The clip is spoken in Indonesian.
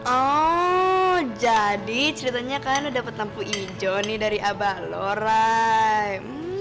oh jadi ceritanya kalian udah dapet tampu ijo nih dari abah lorai